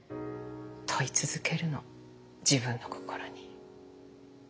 問い続けるの自分の心に。